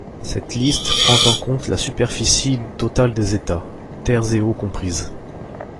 Cette liste prend en compte la superficie totale des États, terres et eaux comprises.